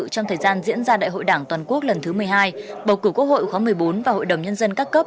trong thời gian diễn ra đại hội đảng toàn quốc lần thứ một mươi hai bầu cử quốc hội khóa một mươi bốn và hội đồng nhân dân các cấp